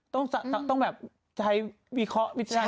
ต้องแบบใจวิเคราะห์